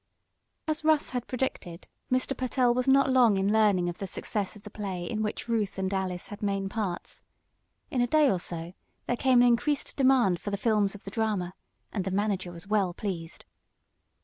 As Russ had predicted, Mr. Pertell was not long in learning of the success of the play in which Ruth and Alice had main parts. In a day or so there came an increased demand for the films of the drama, and the manager was well pleased.